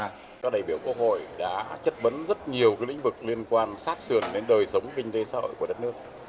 và các đại biểu quốc hội đã chất vấn rất nhiều lĩnh vực liên quan sát sườn đến đời sống kinh tế xã hội của đất nước